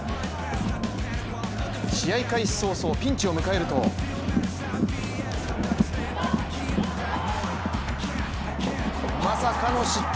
試合開始早々ピンチを迎えるとまさかの失点。